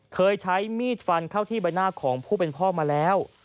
เคยใช้มีดฟันเข้าที่ใบหน้าของผู้เป็นพ่อมาแล้ว